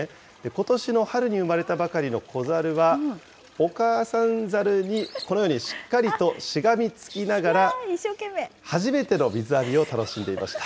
ことしの春に生まれたばかりの子ザルは、お母さんザルに、このようにしっかりとしがみつきながら、初めての水浴びを楽しんでいました。